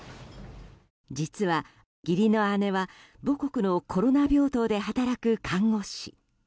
実は、義理の姉は母国のコロナ病棟で働く看護師。